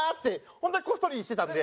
本当にこっそりしてたんで。